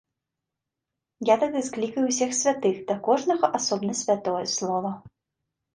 Я тады склікаю ўсіх святых, да кожнага асобна святое слова.